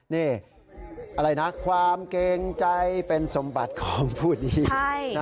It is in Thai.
นี่อะไรนะความเกรงใจเป็นสมบัติของผู้นี้